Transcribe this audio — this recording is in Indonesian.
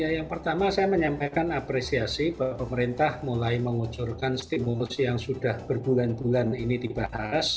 yang pertama saya menyampaikan apresiasi bahwa pemerintah mulai mengucurkan stimulus yang sudah berbulan bulan ini dibahas